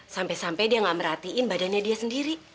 sampai sampai dia gak merhatiin badannya dia sendiri